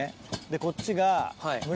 でこっちが。